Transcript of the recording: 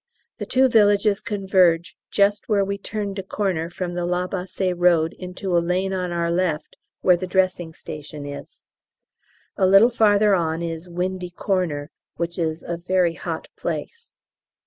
The two villages converge just where we turned a corner from the La Bassée road into a lane on our left where the dressing station is. A little farther on is "Windy Corner," which is "a very hot place."